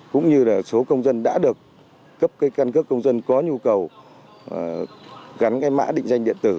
cũng như là số công dân đã được cấp cái căn cước công dân có nhu cầu gắn cái mã định danh điện tử